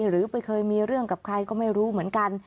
หรือไปเคยมีเรื่องกับใครก็ไม่รู้เหมือนกัน